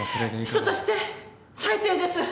秘書として最低です！